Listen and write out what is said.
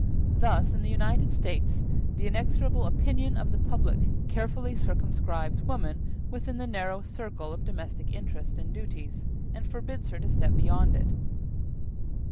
Thus in the United States the inexorable opinion of the public carefully circumscribes woman within the narrow circle of domestic interest and duties, and forbids her to step beyond it.